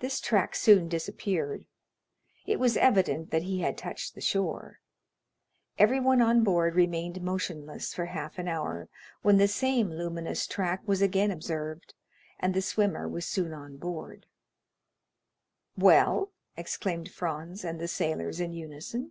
This track soon disappeared; it was evident that he had touched the shore. Everyone on board remained motionless for half an hour, when the same luminous track was again observed, and the swimmer was soon on board. "Well?" exclaimed Franz and the sailors in unison.